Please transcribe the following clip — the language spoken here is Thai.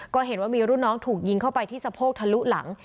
ก็เห็นว่ามีรุ่นน้องถูกยิงเข้าไปที่สะโพกทะลุหลัง